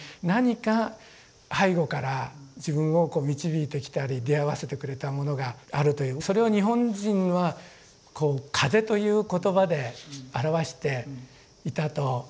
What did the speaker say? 何か背後から自分をこう導いてきたり出会わせてくれたものがあるというそれを日本人はこう「風」という言葉で表していたと。